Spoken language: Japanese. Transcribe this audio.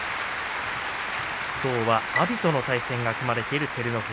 きょうは阿炎との対戦が組まれています。